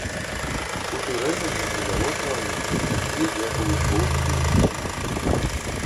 Куты рэзання і завострывання такія ж, як у лучковых піў.